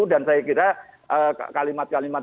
dan saya kira kalimat kalimat